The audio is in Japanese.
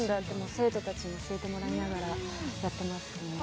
生徒たちに教えてもらいながらやってます。